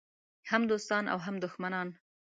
هم دوستان او هم دښمنان.